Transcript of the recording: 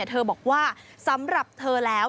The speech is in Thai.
เธอบอกว่าสำหรับเธอแล้ว